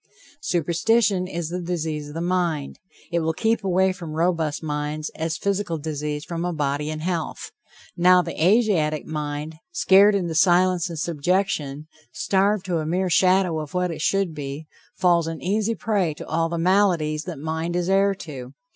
Superstition is the disease of the mind. It will keep away from robust minds, as physical disease from a body in health. Now, the Asiatic mind, scared into silence and subjection, starved to a mere shadow of what it should be, falls an easy prey to all the maladies that mind is heir to.